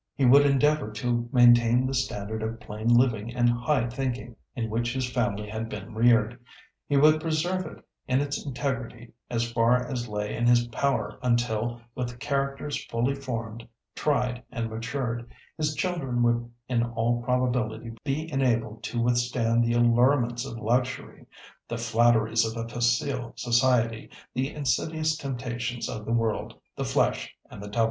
He would endeavour to maintain the standard of "plain living and high thinking," in which his family had been reared; he would preserve it in its integrity, as far as lay in his power until, with characters fully formed, tried, and matured, his children would in all probability be enabled to withstand the allurements of luxury, the flatteries of a facile society, the insidious temptations of the world, the flesh, and the devil.